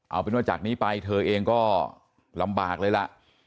เอาเป็นว่าจากนี้ไปเธอเองก็ลำบากเลยล่ะ